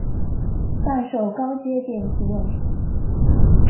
贩售高阶电器用品